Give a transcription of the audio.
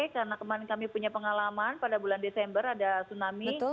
karena kemarin kami punya pengalaman pada bulan desember ada tsunami